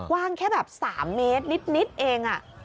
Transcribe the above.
ว่างแค่แบบ๓เมตรนิดเอง